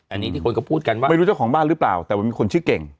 อันนี้ที่คนก็พูดกันว่าไม่รู้เจ้าของบ้านหรือเปล่าแต่มันมีคนชื่อเก่ง